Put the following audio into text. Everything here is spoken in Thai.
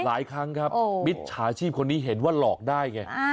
หลายครั้งครับมิจฉาชีพคนนี้เห็นว่าหลอกได้ไง